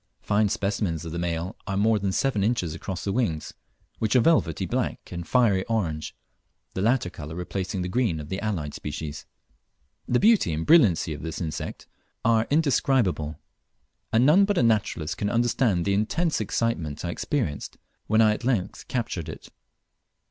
Fine specimens of the male are more than seven inches across the wings, which are velvety black and fiery orange, the latter colour replacing the green of the allied species. The beauty and brilliancy of this insect are indescribable, and none but a naturalist can understand the intense excitement I experienced when I at length captured it.